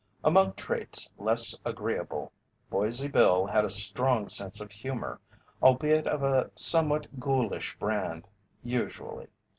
Among traits less agreeable, Boise Bill had a strong sense of humour, albeit of a somewhat ghoulish brand, usually.